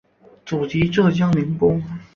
祖籍浙江宁波。